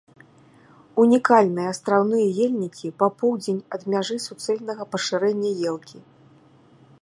Унікальныя астраўныя ельнікі па поўдзень ад мяжы суцэльнага пашырэння елкі.